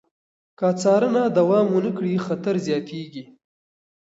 که څارنه دوام ونه کړي، خطر زیاتېږي.